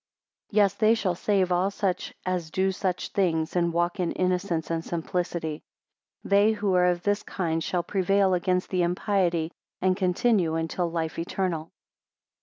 26 Yes, they shall save all such as do such things, and walk in innocence and simplicity. 27 They who are of this kind shall prevail against all impiety, and continue until life eternal.